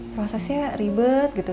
prosesnya ribet gitu